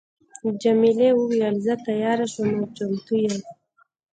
جميلې وويل: زه تیاره شوم او چمتو یم.